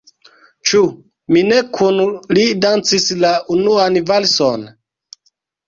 Ĉu mi ne kun li dancis la unuan valson?